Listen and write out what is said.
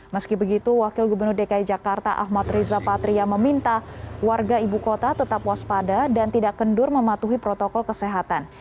meski begitu wakil gubernur dki jakarta ahmad riza patria meminta warga ibu kota tetap waspada dan tidak kendur mematuhi protokol kesehatan